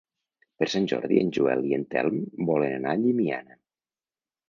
Per Sant Jordi en Joel i en Telm volen anar a Llimiana.